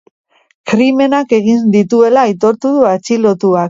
Krimenak egin dituela aitortu du atxilotuak.